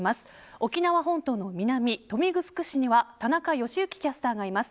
沖縄本島の南、豊見城市には田中良幸キャスターがいます。